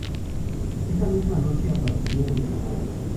Esa misma noche apareció en el escenario.